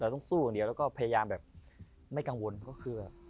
ต้องสู้อย่างเดียวแล้วก็พยายามแบบไม่กังวลก็คือ